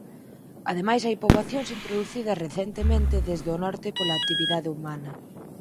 Ademais hai poboacións introducidas recentemente desde o norte pola actividade humana.